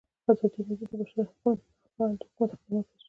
ازادي راډیو د د بشري حقونو نقض په اړه د حکومت اقدامات تشریح کړي.